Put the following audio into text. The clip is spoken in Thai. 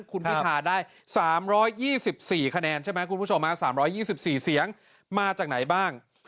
คุณพิธาได้๓๒๔คะแนนใช่ไหมคุณผู้ชม๓๒๔เสียงมาจากไหนบ้าง